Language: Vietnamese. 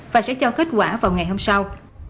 và sẽ cho kết quả vào ngày hôm sau